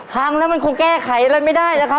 พังแล้วมันคงแก้ไขอะไรไม่ได้แล้วครับ